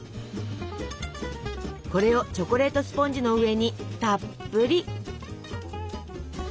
これをチョコレートスポンジの上にたっぷり。